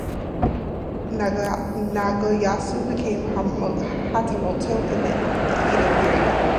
Nagayasu became a "hatamoto" in the Edo period.